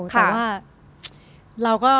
แต่ว่าเราก็